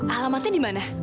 alamatnya di mana